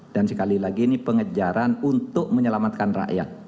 dan sekali lagi ini pengejaran untuk menyelamatkan rakyat